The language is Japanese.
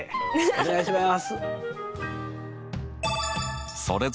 お願いします。